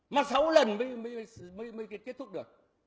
mà sáu lần mới kết thúc được